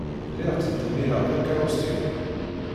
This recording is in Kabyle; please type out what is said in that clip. Lliɣ ttdemmireɣ takeṛṛust-inu.